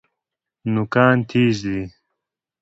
نوکان تیز دي.